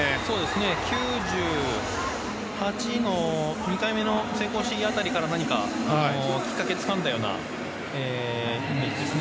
９８の２回目の成功試技辺りから何か、きっかけをつかんだような感じですね。